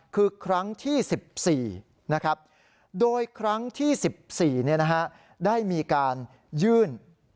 คือครั้งที่๑๔นะครับโดยครั้งที่๑๔ได้มีการยื่น